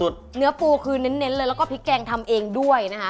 เนื้อปูคือเน้นเลยแล้วก็พริกแกงทำเองด้วยนะคะ